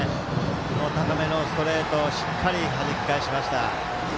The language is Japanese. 高めのストレートをしっかりはじき返しました。